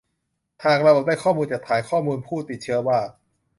หากระบบได้ข้อมูลจากฐานข้อมูลผู้ติดเชื้อว่า